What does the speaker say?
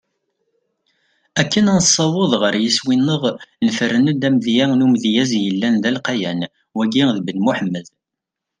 Akken ad nessaweḍ ɣer yiswi-neɣ, nefren-d amedya n umedyaz yellan d alqayan: Wagi d Ben Muḥemmed.